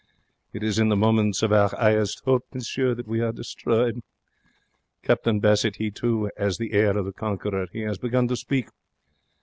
It is in the moments of our highest 'ope, monsieur, that we are destroyed. Captain Bassett, he, too, 'as the air of the conqueror. He has begun to speak.